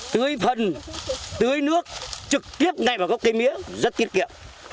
tưới phun tưới nước trực tiếp ngay vào gốc cây mía rất tiết kiệm